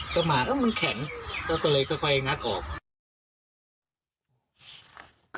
ก็มาเอ้ามันแข็งก็ก็เลยก็ค่อยงัดออก